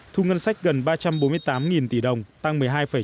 thu ngân sách gần ba trăm bốn mươi tám tỷ đồng tăng một mươi hai chín mươi bốn